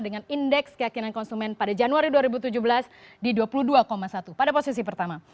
dengan indeks keyakinan konsumen pada januari dua ribu tujuh belas di dua puluh dua satu pada posisi pertama